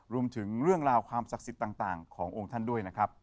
รวมทั้งความศักดิ์สิทธิ์ต่างขององค์ท่านด้วยนะครับ